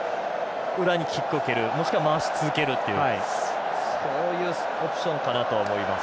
回しながら裏にキックを蹴るもしくは回し続けるっていうそういうオプションかなと。